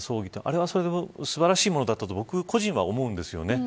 あれは、それで素晴らしかったと僕は、個人では思うんです。